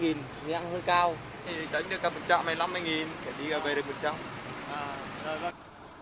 thì tránh được cả một trạm hay năm mươi để đi về được một trạm